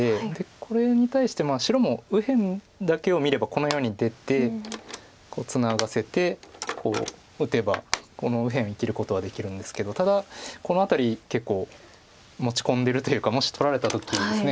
これに対して白も右辺だけを見ればこのように出てツナがせてこう打てばこの右辺を生きることはできるんですけどただこの辺り結構持ち込んでるというかもし取られた時にですね